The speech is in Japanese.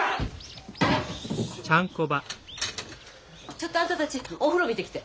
ちょっとあんたたちお風呂見てきて。